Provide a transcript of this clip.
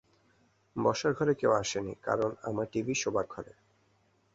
বসার ঘরে কেউ আসে নি, কারণ আমার টিভি শোবার ঘরে!